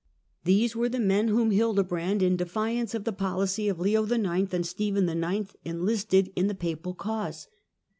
These were the men whom Hildebrand, in defiance of the policy of Leo IX. and Stephen IX., enlisted in the papal cause.